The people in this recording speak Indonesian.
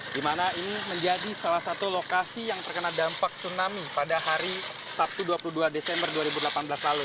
di mana ini menjadi salah satu lokasi yang terkena dampak tsunami pada hari sabtu dua puluh dua desember dua ribu delapan belas lalu